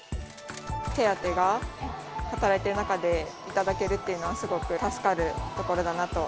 手当が働いてる中で頂けるっていうのは、すごく助かるところだなと。